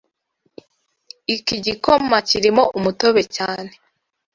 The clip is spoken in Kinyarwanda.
Iki gikoma kirimo umutobe cyane.